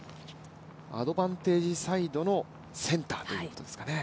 アドバンテージサイドのセンターということですかね。